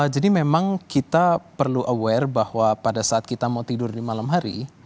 jadi memang kita perlu aware bahwa pada saat kita mau tidur di malam hari